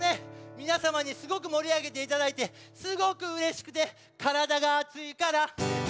みなさまにすごくもりあげていただいてすごくうれしくてからだがあついから。